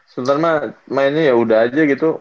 sultan mah mainnya yaudah aja gitu